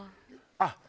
あっ！